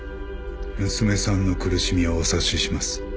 娘さんの苦しみはお察しします。